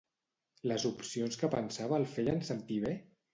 Les opcions que pensava el feien sentir bé?